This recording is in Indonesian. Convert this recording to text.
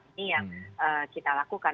ini yang kita lakukan